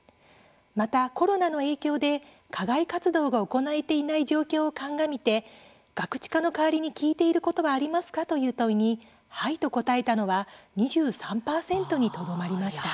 また、コロナの影響で課外活動が行えていない状況を鑑みて、ガクチカの代わりに聞いていることはありますか？という問いに、はいと答えたのは２３％にとどまりました。